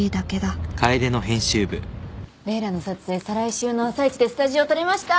レイラの撮影再来週の朝一でスタジオ取れました！